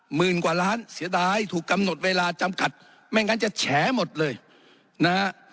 หมื่นกว่าล้านเสียดายถูกกำหนดเวลาจำกัดไม่งั้นจะแฉหมดเลยนะฮะ